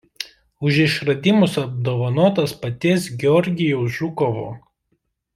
Už išradimus apdovanotas paties Georgijaus Žukovo.